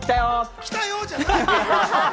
「来たよ！」じゃないのよ！